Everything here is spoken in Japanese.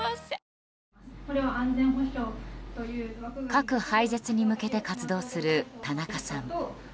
核廃絶に向けて活動する田中さん。